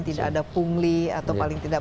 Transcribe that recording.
tidak ada pungli atau paling tidak